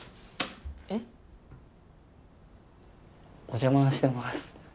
お邪魔してます